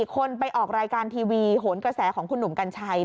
คนไปออกรายการทีวีโหนกระแสของคุณหนุ่มกัญชัย